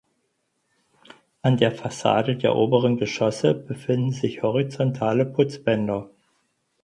An der Fassade der oberen Geschosse befinden sich horizontale Putzbänder.